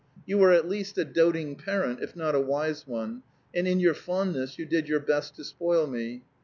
You were at least a doting parent, if not a wise one, and in your fondness you did your best to spoil me.